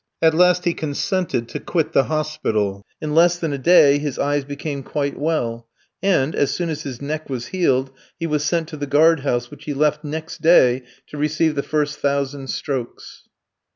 At last he consented to quit the hospital. In less than a day his eyes became quite well; and, as soon as his neck was healed, he was sent to the guard house which he left next day to receive the first thousand strokes.